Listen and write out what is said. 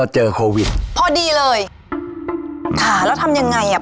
เจอโควิดพอดีเลยค่ะแล้วทำยังไงอ่ะ